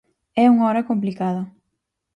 É unha hora complicada.